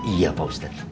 iya pak ustadz